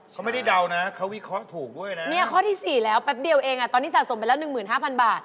เขาไม่ได้เดานะเขาวิเคราะห์ถูกด้วยนะ